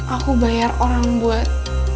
aku bayar orang buat